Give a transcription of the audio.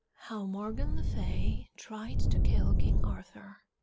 HOW MORGAN LE FAY TRIED TO KILL KING ARTHUR.